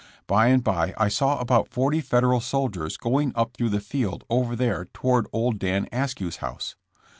By and by I saw about forty Fed eral soldiers going up through the field over there toward old Dan Askew 's house.